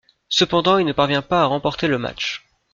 Cependant, il ne parvient pas à remporter le match.